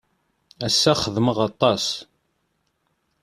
Ass-a, xedmeɣ aṭas.